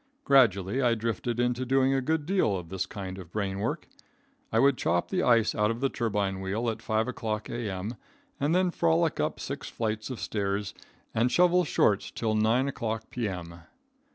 Gradually I drifted into doing a good deal of this kind of brain work. I would chop the ice out of the turbine wheel at 5 o'clock A.M., and then frolic up six flights of stairs and shovel shorts till 9 o'clock P.M.